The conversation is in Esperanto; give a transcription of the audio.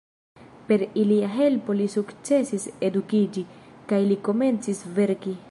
Per ilia helpo li sukcesis edukiĝi, kaj li komencis verki.